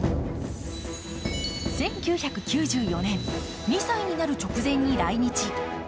１９９４年、２歳になる直前に来日。